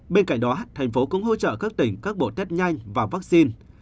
bên cạnh đó tp hcm cũng hỗ trợ các tỉnh các bộ test nhanh và vaccine